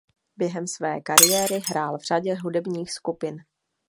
Během své kariéry hrál v řadě hudebních skupin.